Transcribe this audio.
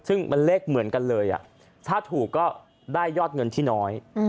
ซึ่งมันเลขเหมือนกันเลยถ้าถูกก็ได้ยอดเงินที่น้อย